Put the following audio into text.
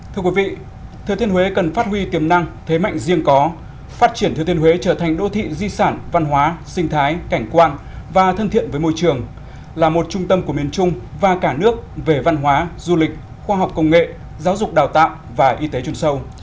thưa quý vị thừa thiên huế cần phát huy tiềm năng thế mạnh riêng có phát triển thừa thiên huế trở thành đô thị di sản văn hóa sinh thái cảnh quan và thân thiện với môi trường là một trung tâm của miền trung và cả nước về văn hóa du lịch khoa học công nghệ giáo dục đào tạo và y tế chung sâu